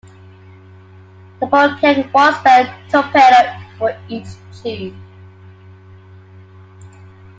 The boat carried one spare torpedo for each tube.